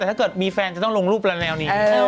แต่ถ้าเกิดมีแฟนจะต้องลงรูปเร็วนี้